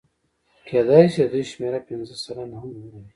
کېدای شي د دوی شمېره پنځه سلنه هم نه وي